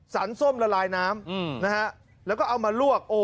ส้มละลายน้ำนะฮะแล้วก็เอามาลวก